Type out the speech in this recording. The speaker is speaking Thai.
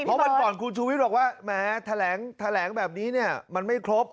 เพราะวันก่อนคุณชูวิทย์บอกว่าแม้แถลงแบบนี้เนี่ยมันไม่ครบ